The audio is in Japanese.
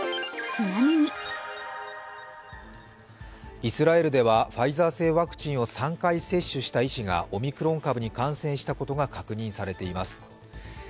イスラエルではファイザー製ワクチンを３回接種した医師がオミクロン株に感染したことが確認されています。